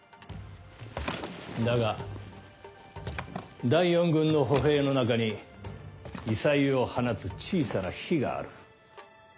だが第四軍の歩兵の中に異彩を放つ小さな火がある。